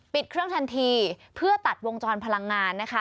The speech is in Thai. เครื่องทันทีเพื่อตัดวงจรพลังงานนะคะ